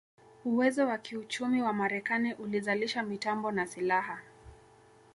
Uwezo wa kiuchumi wa Marekani ulizalisha mitambo na silaha